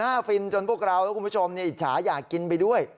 ฟินจนพวกเราและคุณผู้ชมอิจฉาอยากกินไปด้วย